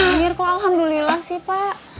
minggir kok alhamdulillah sih pak